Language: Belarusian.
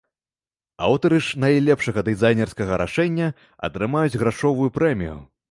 Аўтары ж найлепшага дызайнерскага рашэння атрымаюць грашовую прэмію.